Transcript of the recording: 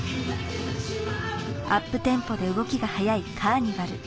アップテンポで動きが速い『カーニバる？』